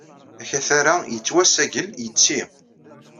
Akatar-a yettwassagel yetti.